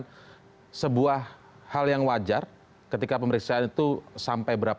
karena sebuah hal yang wajar ketika pemeriksaan itu sampai berakhir